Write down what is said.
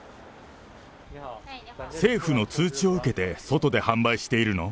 政府の通知を受けて外で販売しているの？